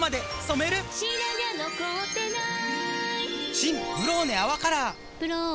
新「ブローネ泡カラー」「ブローネ」